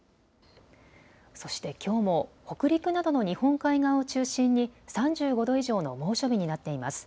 そしてきょうも北陸などの日本海側を中心に３５度以上の猛暑日になっています。